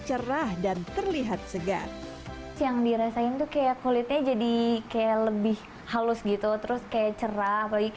cerah dan terlihat segar yang dirasain tuh kayak kulitnya jadi kayak lebih halus gitu terus kayak cerah apalagi